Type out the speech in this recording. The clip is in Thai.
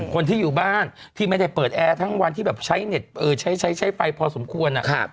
คนที่อยู่บ้านที่ไม่ได้เปิดแอร์ทั้งวันที่แบบใช้เน็ตใช้ใช้ไฟพอสมควร